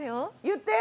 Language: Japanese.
言って。